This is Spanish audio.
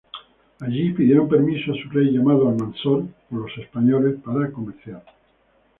Allí pidieron permiso a su rey, llamado Almanzor por los españoles, para comerciar.